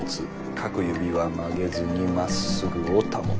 各指は曲げずに真っ直ぐを保つ。